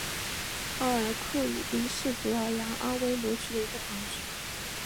阿尔克鲁宾是葡萄牙阿威罗区的一个堂区。